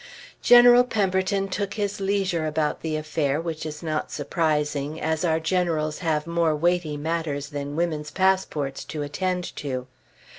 General Pemberton took his leisure about the affair, which is not surprising, as our Generals have more weighty matters than women's passports to attend to.